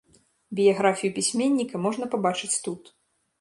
Біяграфію пісьменніка можна пабачыць тут.